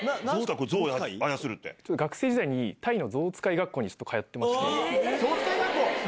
学生時代に、タイのゾウ使い学校に通ってまして。